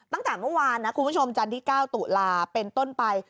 ตั้งแต่เมื่อวานนะคุณผู้ชมจันทร์ที่๙ตุลาเป็นต้นไป